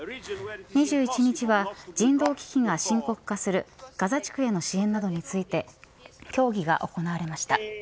２１日は人道危機が深刻化するガザ地区への支援などについて協議が行われました。